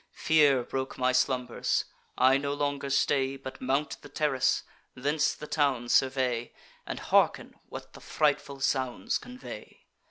Fear broke my slumbers; I no longer stay, But mount the terrace, thence the town survey, And hearken what the frightful sounds convey.